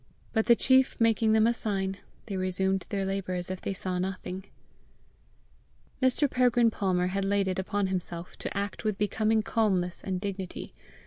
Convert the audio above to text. But the chief making them a sign, they resumed their labour as if they saw nothing. Mr. Peregrine Palmer had laid it upon himself to act with becoming calmness and dignity.